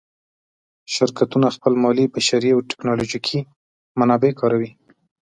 شرکتونه خپل مالي، بشري او تکنالوجیکي منابع کاروي.